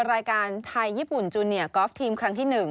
รายการไทยญี่ปุ่นจูเนียกอล์ฟทีมครั้งที่๑